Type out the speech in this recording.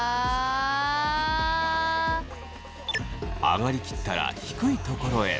上がり切ったら低いところへ。